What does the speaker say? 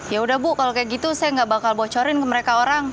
ya udah bu kalau kayak gitu saya nggak bakal bocorin ke mereka orang